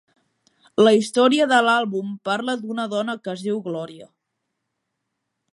La història de l'àlbum parla d'una dona que es diu Gloria.